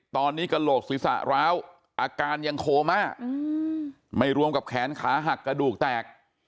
ตอนนี้กระโหลกศีรษะร้าวอาการยังโคม่าไม่รวมกับแขนขาหักกระดูกแตก